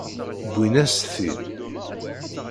Wwin-as-t-id.